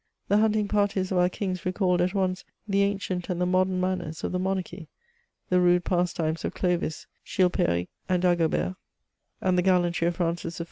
T^e hunting parties of our kings recalled at once the anden^ and the modem manners of the monarchy, the rude pf^times of Clovis, Chilperic, and Dagobert, and the gallantry of Francis I.